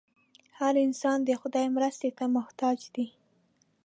هر انسان د خدای مرستې ته محتاج دی.